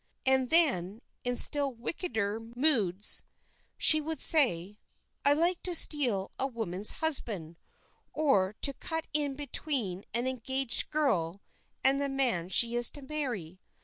And then, in still wickeder moods, she would say, "I like to steal a woman's husband, or to cut in between an engaged girl and the man she is to marry.